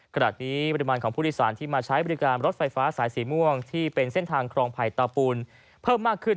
ขณะนี้ปริมาณของผู้โดยสารที่มาใช้บริการรถไฟฟ้าสายสีม่วงที่เป็นเส้นทางครองไผ่ตาปูนเพิ่มมากขึ้น